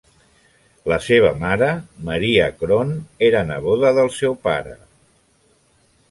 La seva mare, Maria Crohn, era neboda del seu pare.